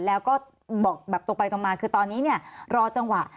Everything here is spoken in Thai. แล้วก็บอกตกไปต่อมาคือตอนนี้รอจังหวะ